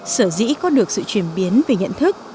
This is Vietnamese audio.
sở dĩ có được sự chuyển biến về nhận thức